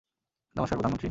নমষ্কার, প্রধানমন্ত্রী।